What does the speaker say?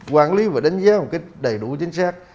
quản lý và đánh giá một cách đầy đủ chính xác